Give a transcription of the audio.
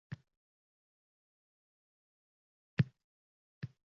Keyin, andavani Botir firqaga uzatdi.